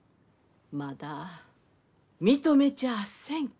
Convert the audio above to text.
まだ認めちゃあせんき。